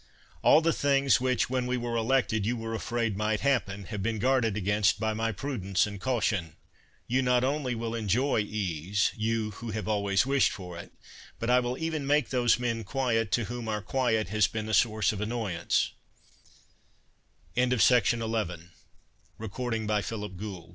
All the things which when we were elected you were afraid might hap pen, have been guarded against by my prudence and caution. You not only will enjoy ease — you who have always wished for it; but I will even make those men quiet, to whom our quiet has been a source of an